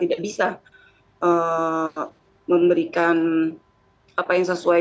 tidak bisa memberikan apa yang sesuai